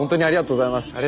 ありがとうございます。